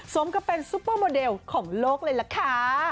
สมกับเป็นซุปเปอร์โมเดลของโลกเลยล่ะค่ะ